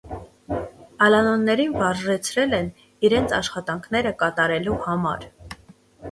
Ալանոներին վարժեցրել են իրենց աշխատանքները կատարելու համար։